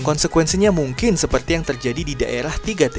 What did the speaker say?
konsekuensinya mungkin seperti yang terjadi di daerah tiga t